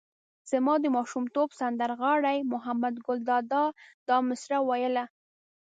زما د ماشومتوب سندر غاړي محمد ګل دادا دا مسره ویله.